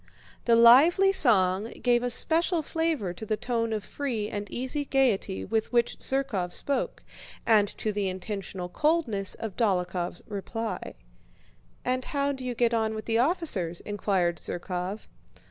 The lively song gave a special flavor to the tone of free and easy gaiety with which Zherkóv spoke, and to the intentional coldness of Dólokhov's reply. "And how do you get on with the officers?" inquired Zherkóv.